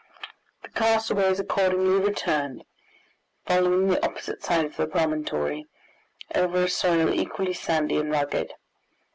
The castaways accordingly returned, following the opposite side of the promontory, over a soil equally sandy and rugged.